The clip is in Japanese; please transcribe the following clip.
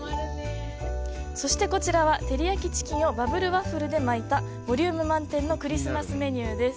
そしてこちらは、照り焼きチキンをバブルワッフルで巻いたボリューム満点のクリスマスメニューです。